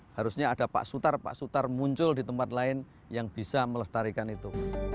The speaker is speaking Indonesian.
harusnya ada pak sutar pak sutar muncul di tempat lain yang bisa melestarikan itu